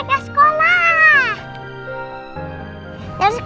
masih ke sekolah